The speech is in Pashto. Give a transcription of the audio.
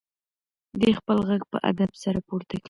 دی خپل غږ په ادب سره پورته کوي.